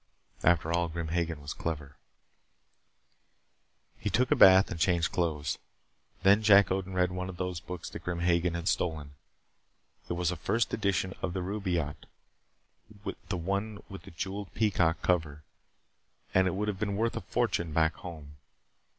After all, Grim Hagen was clever He took a bath and changed clothes. Then Jack Odin read one of those books that Grim Hagen had stolen. It was a first edition of the Rubaiyat, the one with the jeweled peacock cover, and it would have been worth a fortune back home.